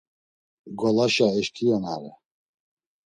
Golaşa eşǩiyonare.